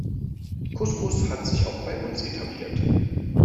Couscous hat sich auch bei uns etabliert.